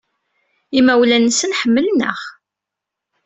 Imawlan-nsent ḥemmlen-aɣ.